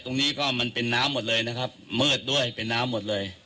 ตรงนี้ก็มันเป็นน้ำหมดเลยนะครับมืดด้วยเป็นน้ำหมดเลย